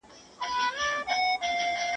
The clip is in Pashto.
ملتونه د خپلو ارزښتونو له لارې پرمختګ کوي.